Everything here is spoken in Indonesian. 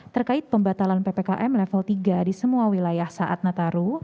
terkait pembatalan ppkm level tiga di semua wilayah saat nataru